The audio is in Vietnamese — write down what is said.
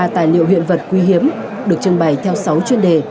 một trăm hai mươi ba tài liệu huyện vật quý hiếm được trưng bày theo sáu chuyên đề